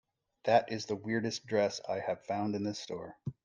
That is the weirdest dress I have found in this store.